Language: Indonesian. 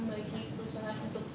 bagi perusahaan untuk